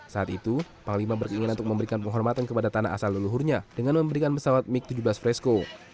saat itu panglima berkeinginan untuk memberikan penghormatan kepada tanah asal leluhurnya dengan memberikan pesawat mig tujuh belas fresco